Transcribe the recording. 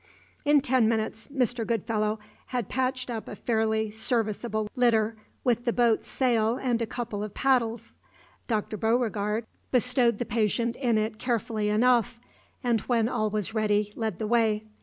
In ten minutes Mr. Goodfellow had patched up a fairly serviceable litter with the boat's sail and a couple of paddles. Dr. Beauregard bestowed the patient in it carefully enough, and when all was ready, led the way.